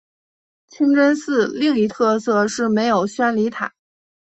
清真寺另一特色是没有宣礼塔。